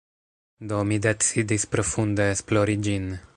Do mi decidis profunde esplori ĝin.